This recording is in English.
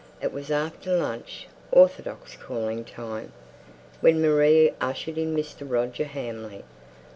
It was after lunch orthodox calling time, when Maria ushered in Mr. Roger Hamley.